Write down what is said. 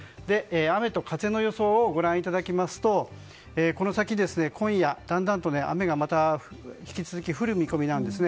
雨と風の予想をご覧いただきますとこの先、今夜だんだんと雨がまた引き続き降る見込みなんです。